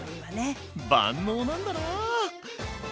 万能なんだな！